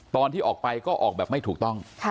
ตอนที่ออกไปก็ออกแบบไม่ถูกต้อง